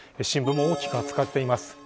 新聞も大きく扱っています。